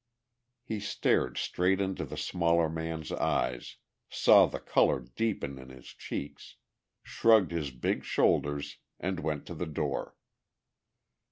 He stared straight into the smaller man's eyes, saw the colour deepen in his cheeks, shrugged his big shoulders and went to the door.